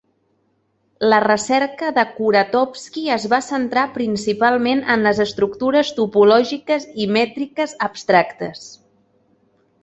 La recerca de Kuratowski es va centrar principalment en les estructures topològiques i mètriques abstractes.